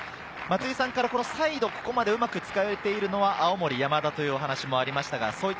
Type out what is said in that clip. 松井さんからサイドをうまく使えているのは青森山田というお話がありました。